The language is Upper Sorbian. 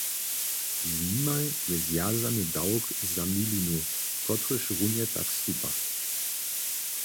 Z nimaj je zwjazany dawk na milinu, kotryž runje tak stupa.